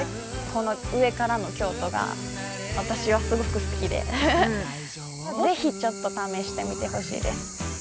この上からの京都が私はすごく好きでぜひちょっと試してみてほしいです。